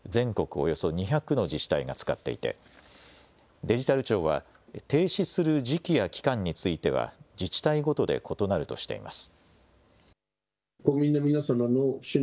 およそ２００の自治体が使っていて、デジタル庁は、停止する時期や期間については、自治体ごとで異なるとしています。